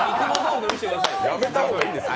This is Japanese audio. やめた方がいいですよ。